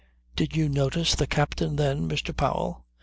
"Did you notice the captain then, Mr. Powell.